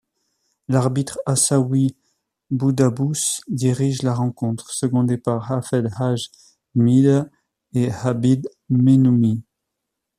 L'arbitre Aissaoui Boudabbous dirige la rencontre, secondé par Hafedh Haj Hmida et Habib Mimouni.